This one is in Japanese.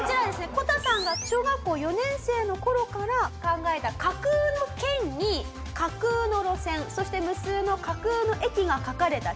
こたさんが小学校４年生の頃から考えた架空の県に架空の路線そして無数の架空の駅が描かれた地図です。